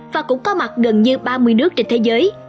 và cũng có mặt gần như ba mươi nước trên thế giới